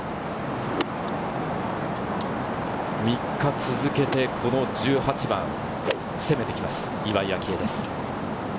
３日続けて１８番、攻めてきます、岩井明愛です。